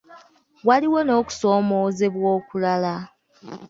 Waaliwo n’okusoomoozebwa okulala.